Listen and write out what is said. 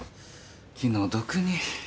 気の毒に。